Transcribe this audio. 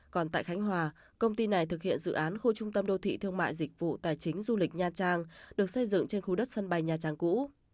còn tại khánh hòa công ty này thực hiện dự án khu trung tâm đô thị thương mại dịch vụ tài chính du lịch nha trang được xây dựng trên khu đất sân bay nhà trang cũ